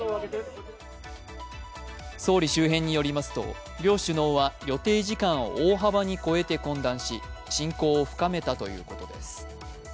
総理周辺によりますと、両首脳は予定時間を大幅に超えて懇談し、親交を深めたということです。